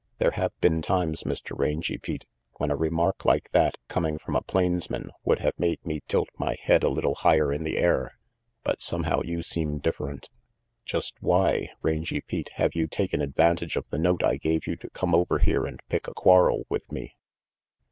There have been times, Mr. Rangy Pete, when a remark like that, coming from a plainsman, would have made me tilt my head a little higher in the air; but somehow you seem different. Just why, Rangy Pete, have you taken advantage of the note I gave you to come over here and pick a quarrel with me?"